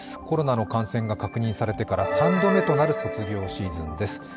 コロナの感染が確認されてから３度目となる卒業シーズンです。